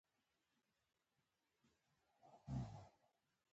مېړه دې ناست دی په مجلس کې څور بریتونه.